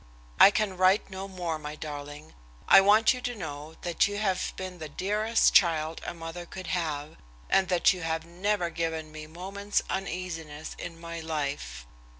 "I can write no more, my darling. I want you to know that you have been the dearest child a mother could have, and that you have never given me moment's uneasiness in my life.